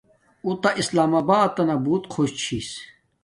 اُو تھا اسلام آباتنا بوت خوش چھس